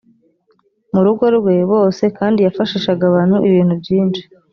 mu rugo rwe bose kandi yafashishaga abantu ibintu byinshi.